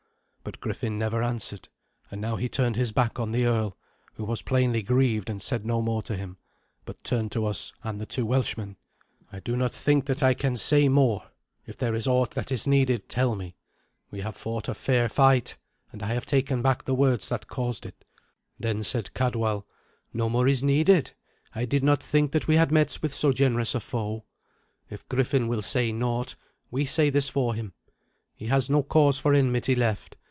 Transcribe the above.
But Griffin never answered; and now he turned his back on the earl, who was plainly grieved, and said no more to him, but turned to us and the two Welshmen. "I do not think that I can say more. If there is aught that is needed, tell me. We have fought a fair fight, and I have taken back the words that caused it." Then said Cadwal, "No more is needed. I did not think that we had met with so generous a foe. If Griffin will say naught, we say this for him. He has no cause for enmity left.